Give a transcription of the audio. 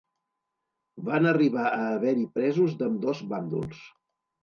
Van arribar a haver-hi presos d'ambdós bàndols.